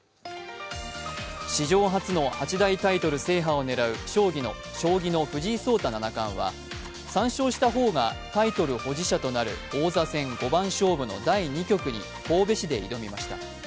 史上初の八大タイトル制覇を狙う将棋の藤井聡太七冠は、３勝した方がタイトル保持者となる王座戦五番勝負の第２局に神戸市で挑みました。